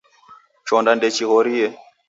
Chonda ndechihorie.